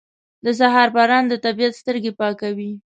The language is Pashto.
• د سهار باران د طبیعت سترګې پاکوي.